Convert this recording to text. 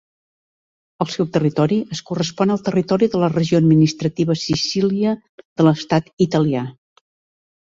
El seu territori es correspon al territori de la regió administrativa Sicília de l'estat italià.